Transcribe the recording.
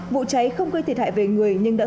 vụ cháy không gây thiệt hại về người nhưng đã